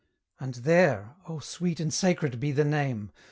And there oh! sweet and sacred be the name!